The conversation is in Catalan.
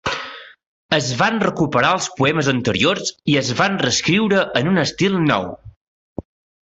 Es van "recuperar" els poemes anteriors i es van reescriure en un estil nou.